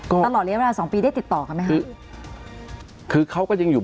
ก็ตลอดระยะเวลาสองปีได้ติดต่อกันไหมคะคือเขาก็ยังอยู่